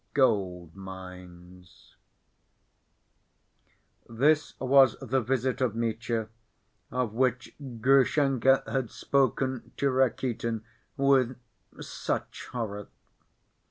Gold‐Mines This was the visit of Mitya of which Grushenka had spoken to Rakitin with such horror.